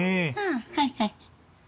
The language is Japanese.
ああはいはい。